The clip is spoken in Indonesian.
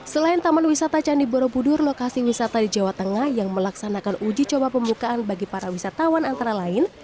selain taman wisata candi borobudur lokasi wisata di jawa tengah yang melaksanakan uji coba pembukaan bagi para wisatawan antara lain